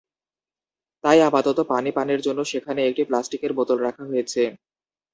তাই আপাতত পানি পানের জন্য সেখানে একটি প্লাস্টিকের বোতল রাখা হয়েছে।